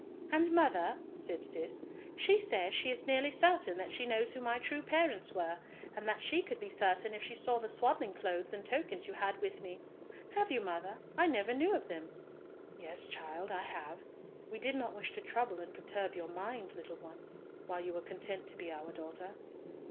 "And, mother," said Cis, "she says she is nearly certain that she knows who my true parents were, and that she could be certain if she saw the swaddling clothes and tokens you had with me. Have you, mother? I never knew of them." "Yes, child, I have. We did not wish to trouble and perturb your mind, little one, while you were content to be our daughter."